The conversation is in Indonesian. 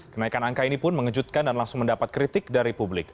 kenaikan angka ini pun mengejutkan dan langsung mendapat kritik dari publik